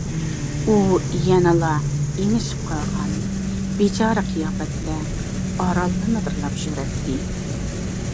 ئۇ يەنىلا ئېڭىشىپ قالغان بىچارە قىياپەتتە ئارانلا مىدىرلاپ يۈرەتتى.